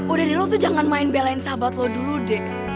udah nih lo tuh jangan main belain sahabat lo dulu deh